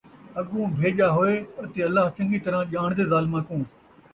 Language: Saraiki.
اَڳوں بھیڄا ہوئے اَتے اللہ چَنگی طرح ڄاݨدے ظالماں کوں ۔